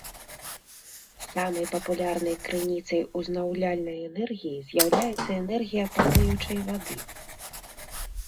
Самай папулярнай крыніцай узнаўляльнай энергіі з'яўляецца энергія падаючай вады.